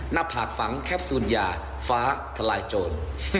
หน้าผากฝังแคปซูลยาฟ้าทลายโจร